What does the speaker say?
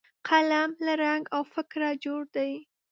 قلم له رنګ او فکره جوړ دی